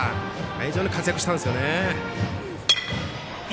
非常に活躍したんですよね。